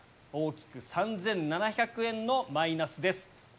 大きく３７００円のマイナスです。